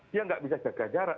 dia nggak bisa jaga jarak